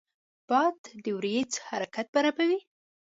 باد د وریځو حرکت برابروي